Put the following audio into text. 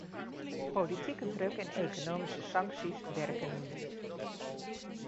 Politieke druk en economische sancties werken niet.